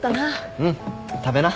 うん食べな。